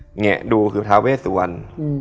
อย่างเนี้ยดูก็คือทาเวสสวรรค์